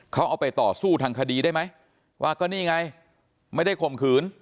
เขาเอาไปต่อสู้ทางคดีได้ไหมว่าก็นี่ไงไม่ได้ข่มขืน